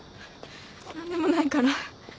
何でもないから